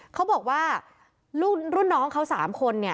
เขาบอกว่ารุ่นน้องเขา๓คน